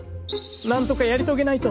なんとかやり遂げないと。